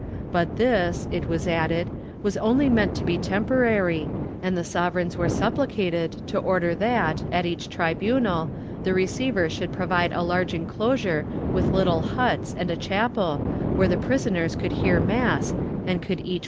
But this, it was added, was only meant to be temporary, and the sovereigns were suppHcated to order that, at each tribunal, the receiver should provide a large enclosure with little huts and a chapel, where the prisoners could hear mass and could each work ' Vol.